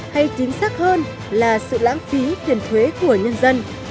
hay chính xác hơn là sự lãng phí tiền thuế của nhân dân